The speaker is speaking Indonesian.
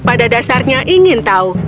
pada dasarnya ingin tahu